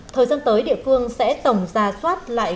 thời gian tới địa phương sẽ tổng ra soát lại